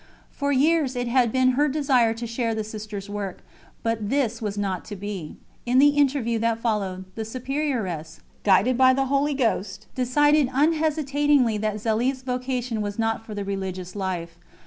For years it had been her desire to share the Sisters' work, but this was not to be. In the interview that followed, the Superioress guided by the Holy Ghost decided unhesitatingly that Zélie's vocation was not for the religious life.